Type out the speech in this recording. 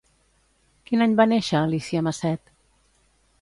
Quin any va néixer Alícia Macet?